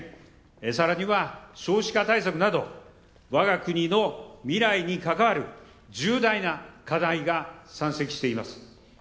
さらには、少子化対策などわが国の未来に関わる重大な課題が山積しています。